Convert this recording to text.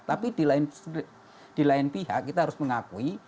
tapi di lain pihak kita harus mengakui